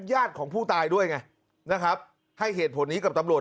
ญาติของผู้ตายด้วยไงนะครับให้เหตุผลนี้กับตำรวจ